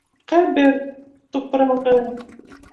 Ҡәбер тупрағы.